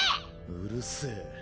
うるせぇ。